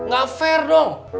gak fair dong